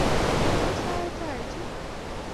Tos aee chaichu?